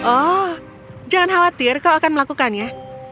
oh jangan khawatir kau akan melakukannya